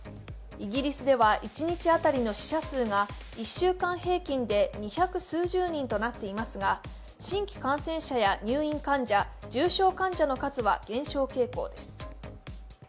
イギリスでは一日当たりの死者数が１週間平均で二百数十人となっていますが、新規感染者や入院患者重症患者の数は減少傾向です。